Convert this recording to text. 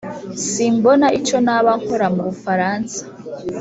simbona icyo naba nkora mu bufaransa.